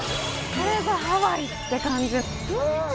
これぞハワイって感じうん！